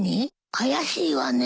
怪しいわね。